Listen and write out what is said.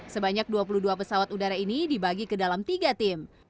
sebanyak dua puluh dua pesawat udara ini dibagi ke dalam tiga tim